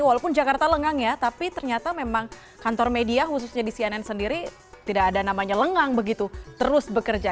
walaupun jakarta lengang ya tapi ternyata memang kantor media khususnya di cnn sendiri tidak ada namanya lengang begitu terus bekerja